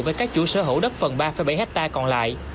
với các chủ sở hữu đất phần ba bảy hectare còn lại